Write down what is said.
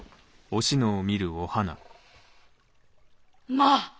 まあ！